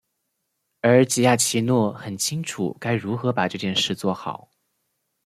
而吉亚奇诺很清楚该如何把这件事做好。